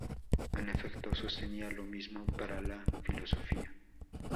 En efecto, sostenía lo mismo para la filosofía.